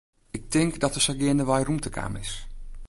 Ik tink dat der sa geandewei rûmte kaam is.